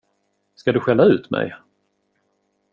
Ska du skälla ut mig?